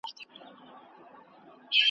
وئيل يې روغ عالم ﺯمونږ په درد کله خبريږي .